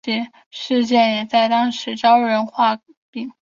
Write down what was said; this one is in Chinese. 这起事件也在当时招人话柄。